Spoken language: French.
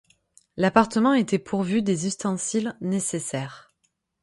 L’appartement était pourvu des ustensiles nécessaires.